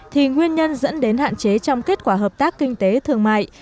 thì nguyên nhân dẫn đến hạn chế trong kết quả hợp tác kinh tế thương mại